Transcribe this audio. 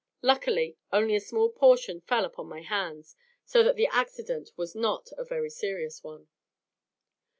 Luckily, only a small portion fell upon my hands, so that the accident was not a very serious one.